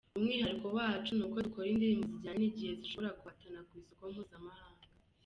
Umwihariko wacu nuko dukora indirimbo zijyanye n’igihe zishobora guhatana ku isoko mpuzamahanga.